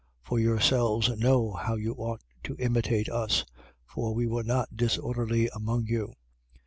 3:7. For yourselves know how you ought to imitate us. For we were not disorderly among you.